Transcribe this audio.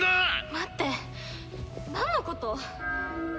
待ってなんのこと！？